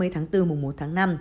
ba mươi tháng bốn mùa một tháng năm